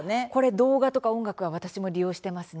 動画とか音楽は私も利用しています。